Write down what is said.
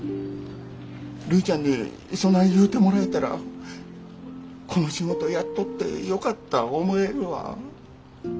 るいちゃんにそない言うてもらえたらこの仕事やっとってよかった思えるわ。